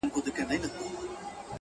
دا غرونه !! غرونه دي ولاړ وي داسي!!